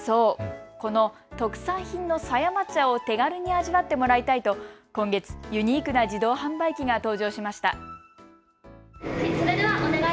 この特産品の狭山茶を手軽に味わってもらいたいと今月、ユニークな自動販売機が登場しました。